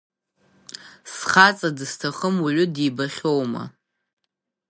Зхаҵа дызҭахым уаҩы дибахьоума?